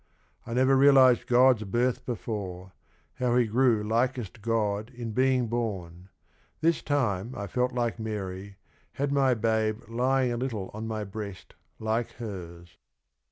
"I never realized God's birth before — How He grew likest God in being born. This time I felt like Mary, had my babe Lying a little on my breast like hers."